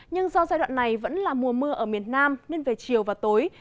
nhưng do giai đoạn này vẫn là mùa mưa ở miền nam nên về chiều và tối